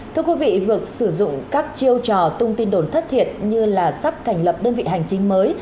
thưa quý vị việc sử dụng các chiêu trò tung tin đồn thất thiệt như là sắp thành lập đơn vị hành chính mới